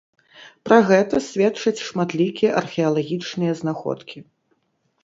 Пра гэта сведчаць шматлікія археалагічныя знаходкі.